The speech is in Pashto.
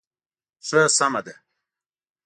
ښه سمه ده.